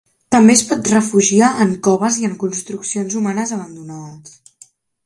També es pot refugiar en coves i en construccions humanes abandonades.